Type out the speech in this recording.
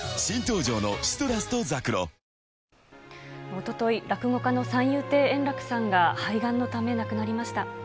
おととい、落語家の三遊亭円楽さんが肺がんのため亡くなりました。